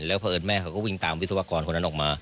แล้วพอเอิญแม่เขาก็วิ่งตามวิศวกรคนนั้นออกมา